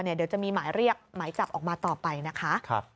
เดี๋ยวจะมีหมายเรียกหมายจับออกมาต่อไปนะคะ